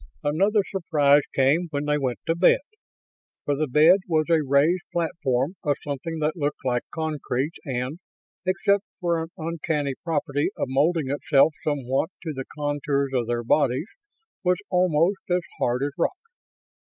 Another surprise came when they went to bed. For the bed was a raised platform of something that looked like concrete and, except for an uncanny property of molding itself somewhat to the contours of their bodies, was almost as hard as rock.